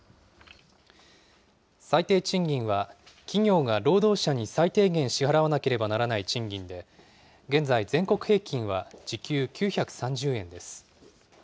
最低賃金は企業が労働者に最低限支払わなければならない賃金で、現在、全国平均は時給９３０円です。